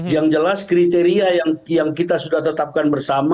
yang jelas kriteria yang kita sudah tetapkan bersama